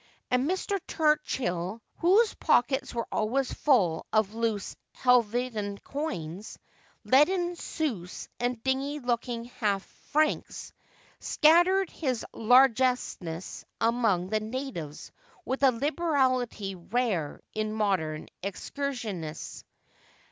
And Mr. Turchill, whose pockets were always full of loose Hel vetian, coins — leaden sous and dingy looking half francs — scat tered his largesse among the natives with a liberality rare in modern excursionists.